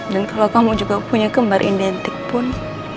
dan kalau kamu juga punya kembar identik pun